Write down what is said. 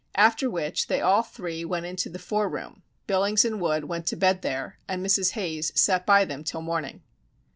After which, they all three went into the fore room, Billings and Wood went to bed there, and Mrs. Hayes sat by them till morning.